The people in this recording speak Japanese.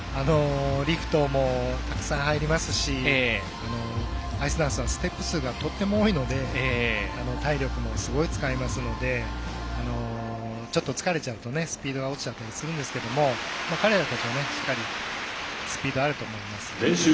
リフトもたくさん入りますしアイスダンスはステップ数がとても多いので体力もすごい使いますのでちょっと疲れちゃうとスピードが落ちちゃったりするんですけど彼らたちはしっかりスピードあると思います。